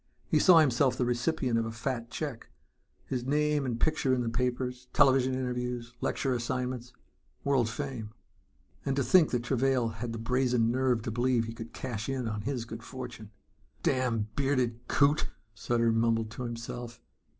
He saw himself the recipient of a fat check, his name and picture in the papers, television interviews, lecture assignments, world fame ... And to think that Travail had the brazen nerve to believe he could cash in on his good fortune! "Damned bearded coot!" Sutter mumbled to himself.